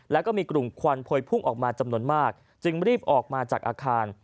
แล้วก็มีกลุ่มควันโพยพุ่งออกมาจำนวนมากจึงรีบออกมาจากอาคาร